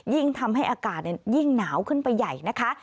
ยิ่งทำให้อากาศยิ่งหนาวขึ้นไปใหญ่นะคะ